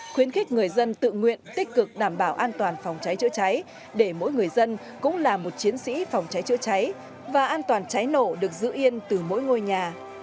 khuyến khích người dân tự nguyện tích cực đảm bảo an toàn phòng cháy chữa cháy để mỗi người dân cũng là một chiến sĩ phòng cháy chữa cháy và an toàn cháy nổ được giữ yên từ mỗi ngôi nhà